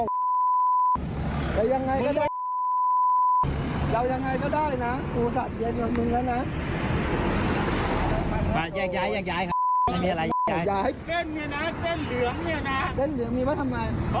มีเรื่องไหม